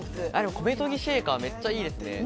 米とぎシェーカー、めっちゃいいですね。